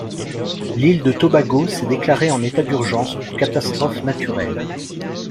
L'île de Tobago s'est déclarée en état d’urgence pour catastrophe naturelle.